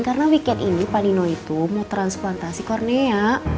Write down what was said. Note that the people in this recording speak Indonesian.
karena weekend ini pak nino itu mau transplantasi kornea